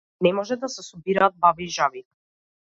Не може да се собираат баби и жаби.